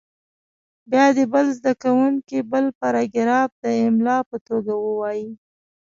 بیا دې بل زده کوونکی بل پاراګراف د املا په توګه ووایي.